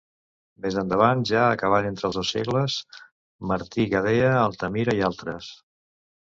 Més endavant, ja a cavall entre els dos segles: Martí Gadea, Altamira i altres.